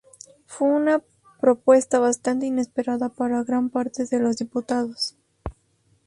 Fue una propuesta bastante inesperada para gran parte de los diputados.